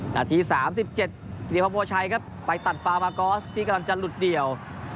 นาทีสามสิบเจ็ดเดี๋ยวพระมัวชัยครับไปตัดฟาวมากอสที่กำลังจะหลุดเดี่ยว